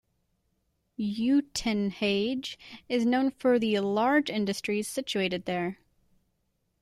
Uitenhage is known for the large industries situated there.